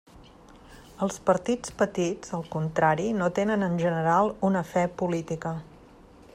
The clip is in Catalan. Els partits petits, al contrari, no tenen en general una fe política.